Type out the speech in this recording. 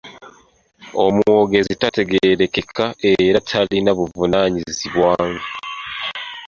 Omwogezi tategeerekeka era talina buvunaanyizibwa.